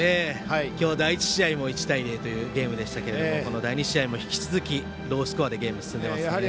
今日第１試合も１対０のいいゲームでしたけれどもこの第２試合も引き続きロースコアでゲームが進んでいます。